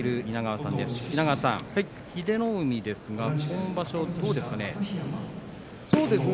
稲川さん、英乃海ですが今場所どうですか。